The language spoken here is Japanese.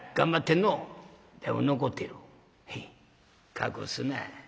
隠すな。